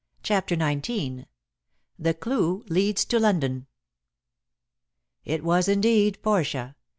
CHAPTER XIX THE CLUE LEADS TO LONDON It was indeed Portia.